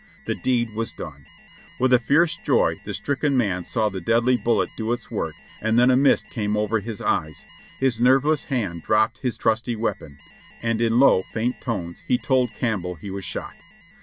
The deed was done. With a fierce joy the stricken man saw the deadly bullet do its work and then a mist came over his eyes, his nerveless hand dropped his trusty weapon, and in low, faint tones he told Campbell he was shot.